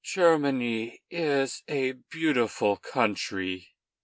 "Germany is a beautiful country!"